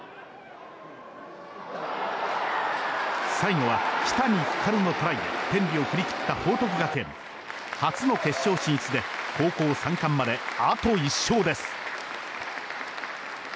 最後は木谷光のトライで天理を振り切った報徳学園初の決勝進出で高校三冠まであと一勝です。